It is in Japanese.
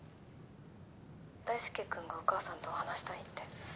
大輔君がお母さんと話したいって。